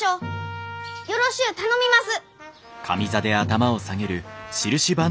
よろしゅう頼みます。